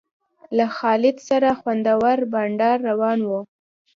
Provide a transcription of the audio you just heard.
له خالد سره خوندور بنډار روان و.